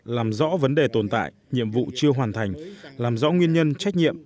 làm rõ vấn đề tồn tại nhiệm vụ chưa hoàn thành làm rõ nguyên nhân trách nhiệm